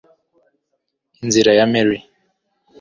inzira ya meryl